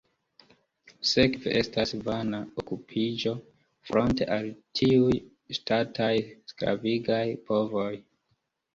Sekve estas vana okupiĝo, fronte al tiuj ŝtataj, sklavigaj povoj.